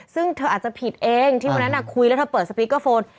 ซึ่งเธออาจจะผิดเองที่วันนั้นคุยแล้วเธอเปิดสปีกเกอร์โฟน